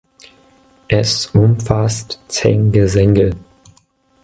Es umfasst zehn Gesänge.